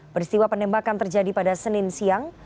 peristiwa penembakan terjadi pada senin siang